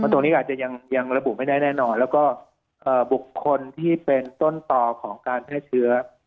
ตรงนี้อาจจะยังระบุไม่ได้แน่นอนแล้วก็บุคคลที่เป็นต้นต่อของการแพร่เชื้อ